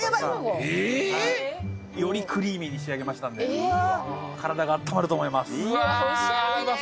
ええ！よりクリーミーに仕上げましたんで体が温まると思います。